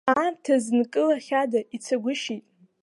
Аамҭа ззынкылахьада, ицагәышьеит.